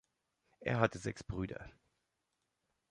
Er hatte sechs Brüder.